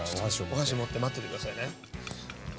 お箸を持って待ってて下さいね。